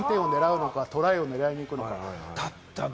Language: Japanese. ３点を狙うのか、トライを狙いにいくのか。